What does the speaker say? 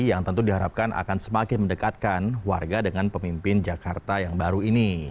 yang tentu diharapkan akan semakin mendekatkan warga dengan pemimpin jakarta yang baru ini